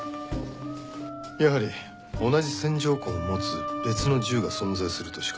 やはり同じ線条痕を持つ別の銃が存在するとしか。